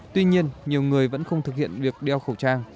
tuy nhiên nhiều người vẫn không thực hiện việc đeo khẩu trang